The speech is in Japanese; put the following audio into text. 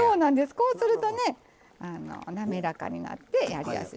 こうするとなめらかになってやりやすい。